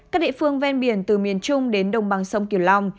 các địa phương ven biển từ miền trung đến đồng bằng sông kiều long